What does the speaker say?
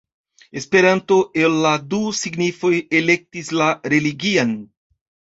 Esperanto el la du signifoj elektis la religian.